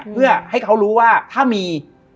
เพื่อให้เขารู้ว่าถ้ามี